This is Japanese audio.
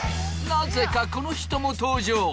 なぜかこの人も登場！